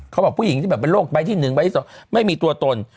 เขาบอกผู้หญิงที่โรคใบที่หนึ่งใบที่สองไม่มีตัวตน